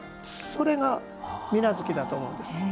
それが、水無月だと思うんです。